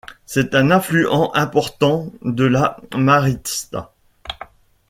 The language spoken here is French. C'est un affluent important de la Maritsa.